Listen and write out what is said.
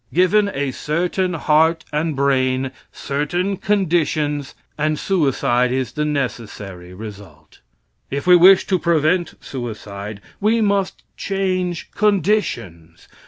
Given a certain heart and brain, certain conditions, and suicide is the necessary result. If we wish to prevent suicide we must change conditions.